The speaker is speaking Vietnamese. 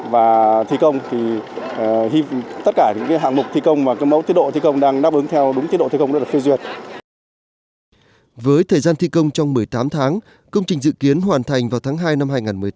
với thời gian thi công trong một mươi tám tháng công trình dự kiến hoàn thành vào tháng hai năm hai nghìn một mươi tám